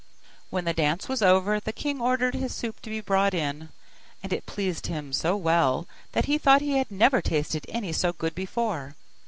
When the dance was over, the king ordered his soup to be brought in; and it pleased him so well, that he thought he had never tasted any so good before.